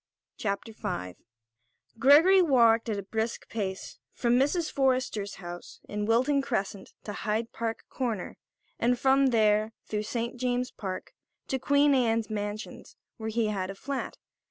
CHAPTER V Gregory walked at a brisk pace from Mrs. Forrester's house in Wilton Crescent to Hyde Park Corner, and from there, through St. James's Park, to Queen Anne's Mansions where he had a flat.